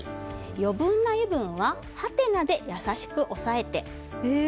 余分な油分はハテナで優しく抑えて。